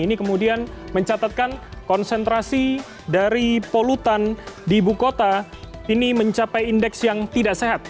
ini kemudian mencatatkan konsentrasi dari polutan di ibu kota ini mencapai indeks yang tidak sehat